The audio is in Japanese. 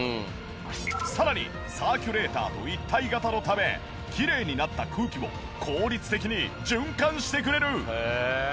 さらにサーキュレーターと一体型のためきれいになった空気を効率的に循環してくれる。